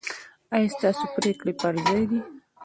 ایا ستاسو پریکړې پر ځای دي؟